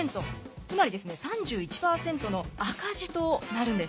つまりですね３１％の赤字となるんです。